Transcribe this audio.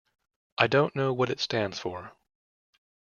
I don't know what it stands for.